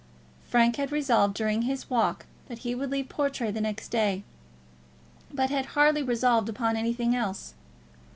Frank had resolved during his walk that he would leave Portray the next day; but had hardly resolved upon anything else.